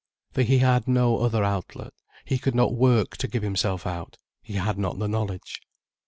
For he had no other outlet, he could not work to give himself out, he had not the knowledge.